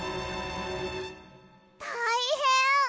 たいへん！